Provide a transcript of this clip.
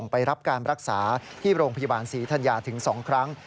ไปรับการรักษาที่โรงพยาบาลศรีธัญญาถึง๒ครั้ง